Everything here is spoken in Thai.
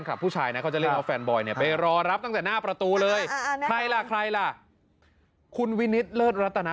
ความแน่ใจไม่หยดหักฟังฟังฟ้า